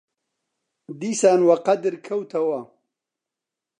دیسان وەقەدر کەوتەوە